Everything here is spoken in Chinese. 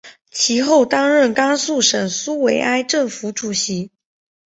其后担任甘肃省苏维埃政府主席。